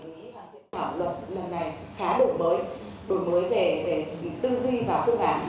dự thảo luật lần này khá đổi mới đổi mới về tư duy và phương án